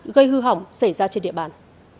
gây hư hỏng xảy ra trên địa bàn